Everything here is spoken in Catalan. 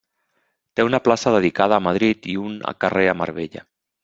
Té una plaça dedicada a Madrid i un carrer a Marbella.